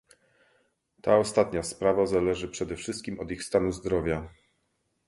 ta ostatnia sprawa zależy przede wszystkim od ich stanu zdrowia